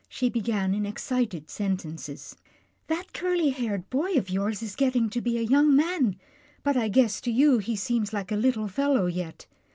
She began in excited sentences, " That curly headed boy of yours is getting to be a young man, but I guess to you he seems Hke a little fellow yet.